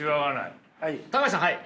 橋さんはい。